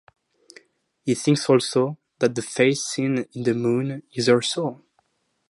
He thinks also, that the face seen in the moon is her soul.